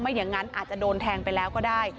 อย่างนั้นอาจจะโดนแทงไปแล้วก็ได้